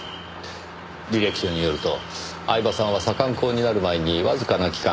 履歴書によると饗庭さんは左官工になる前にわずかな期間